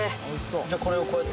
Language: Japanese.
じゃあこれをこうやって。